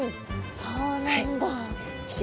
そうなんだ。